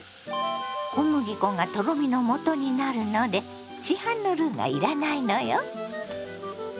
小麦粉がとろみの素になるので市販のルーが要らないのよ。